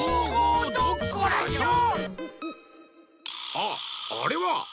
あっあれは！